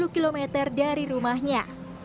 dua puluh km dari rumahnya